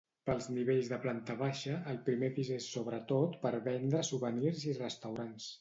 Pels nivells de planta baixa, el primer pis és sobretot per vendre souvenirs i restaurants.